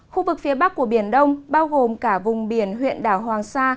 khu vực phía bắc của biển đông bao gồm cả vùng biển huyện đảo hoàng sa